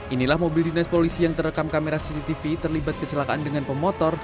inilah mobil dinas polisi yang terekam kamera cctv terlibat kecelakaan dengan pemotor